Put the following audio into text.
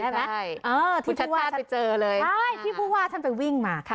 ใช่ใช่เอ่อที่พูดว่าไปเจอเลยใช่ที่พูดว่าท่านไปวิ่งมาค่ะ